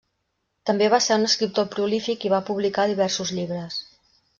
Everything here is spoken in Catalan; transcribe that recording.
També va ser un escriptor prolífic i va publicar diversos llibres.